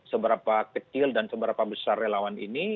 seberapa kecil dan seberapa besar relawan ini